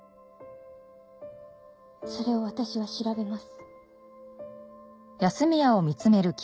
それを私は調べます。